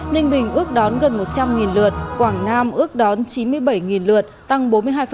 ninh bình ước đón gần một trăm linh lượt quảng nam ước đón chín mươi bảy lượt tăng bốn mươi hai